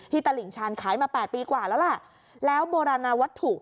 ตลิ่งชาญขายมา๘ปีกว่าแล้วล่ะแล้วโบราณวัตถุ